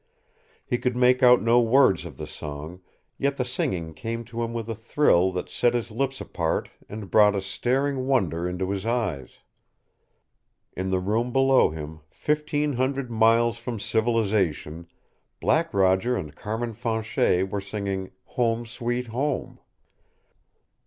He could make out no word of the song, yet the singing came to him with a thrill that set his lips apart and brought a staring wonder into his eyes. In the room below him, fifteen hundred miles from civilization, Black Roger and Carmin Fanchet were singing "Home, Sweet Home!"